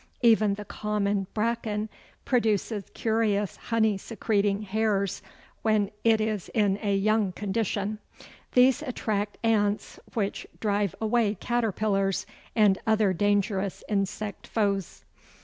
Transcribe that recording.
Even the common Bracken produces curious honey secreting hairs when it is in a young condition. These attract ants which drive away caterpillars and other dangerous insect foes.